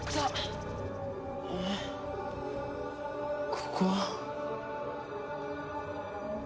ここは？